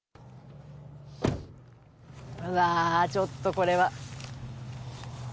うわー、ちょっとこれは。